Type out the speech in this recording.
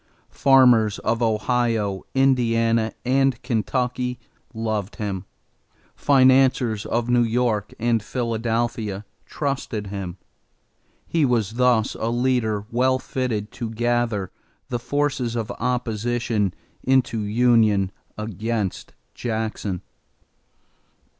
Farmers of Ohio, Indiana, and Kentucky loved him; financiers of New York and Philadelphia trusted him. He was thus a leader well fitted to gather the forces of opposition into union against Jackson.